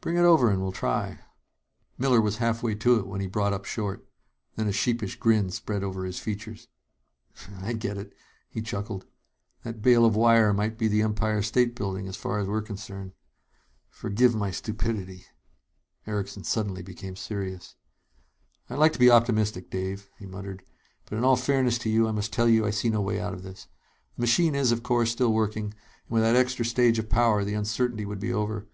"Bring it over and we'll try it." Miller was halfway to it when he brought up short. Then a sheepish grin spread over his features. "I get it," he chuckled. "That bale of wire might be the Empire State Building, as far as we're concerned. Forgive my stupidity." Erickson suddenly became serious. "I'd like to be optimistic, Dave," he muttered, "but in all fairness to you I must tell you I see no way out of this. The machine is, of course, still working, and with that extra stage of power, the uncertainty would be over.